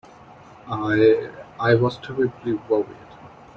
I—I was terribly worried.